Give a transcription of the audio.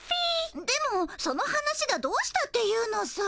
でもその話がどうしたっていうのさ。